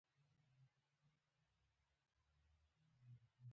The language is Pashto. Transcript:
د علامه رشاد لیکنی هنر مهم دی ځکه چې انګلیسي پوهېږي.